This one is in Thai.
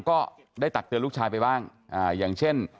ก็ได้ตะเตือนลูกชายไปบ้าง